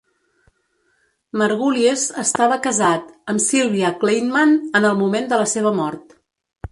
Margulies estava casat amb Cylvia Kleinman en el moment de la seva mort.